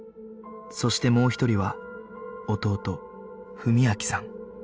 そしてもう一人は弟文明さん